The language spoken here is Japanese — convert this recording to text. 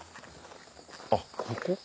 あっここか？